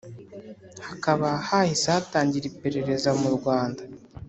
hakaba hahise hatangira iperereza murwanda